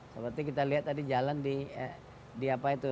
seperti kita lihat tadi jalan di apa itu